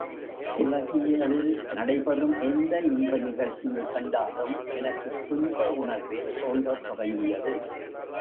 உலகியலில் நடை பெறும் எந்த இன்ப நிகழ்ச்சியைக் கண்டாலும் எனக்குத் துன்ப உணர்வே தோன்றத் தொடங்கியது.